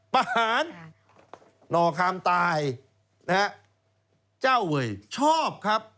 ป่ะหารนะฮะหนอคำตายนะฮะเจ้าเอ๋ยชอบครับ